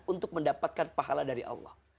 untuk mendapatkan pahala dari allah